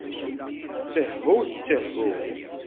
Ttehu, ttehu.